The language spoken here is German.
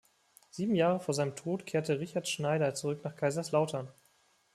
Sieben Jahre vor seinem Tod kehrte Richard Schneider zurück nach Kaiserslautern.